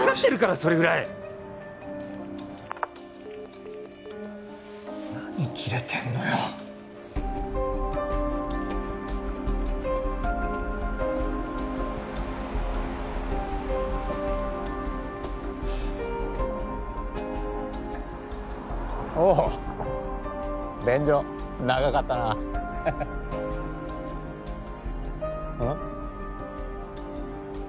それぐらい何キレてんのよおお便所長かったなうん？